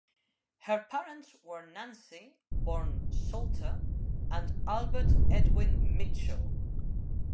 Her parents were Nancy (born Salter) and Albert Edwin Mitchell.